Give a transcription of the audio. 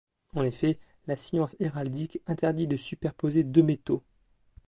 En effet, la science héraldique interdit de superposer deux métaux.